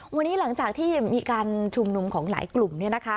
วันนี้หลังจากที่มีการชุมนุมของหลายกลุ่ม